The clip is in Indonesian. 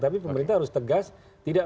tapi pemerintah harus tegas tidak